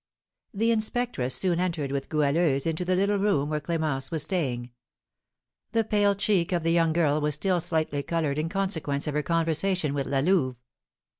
The inspectress soon entered with Goualeuse into the little room where Clémence was staying. The pale cheek of the young girl was still slightly coloured in consequence of her conversation with La Louve.